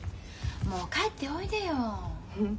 もう帰っておいでよ。